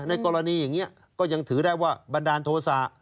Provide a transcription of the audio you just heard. ในกรณีอย่างนี้ก็ยังถือได้ว่าบันดาลโทษะ